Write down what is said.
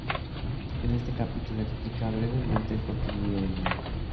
En este capítulo explica brevemente el contenido del mundo.